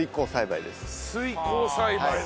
水耕栽培だ！